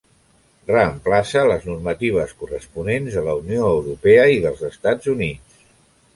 Reemplaça les normatives corresponents de la Unió Europea i dels Estats Units.